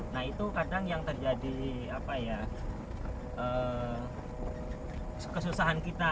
nah itu kadang yang terjadi kesusahan kita